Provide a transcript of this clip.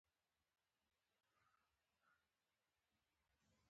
زه له مرستي څخه شرم نه لرم.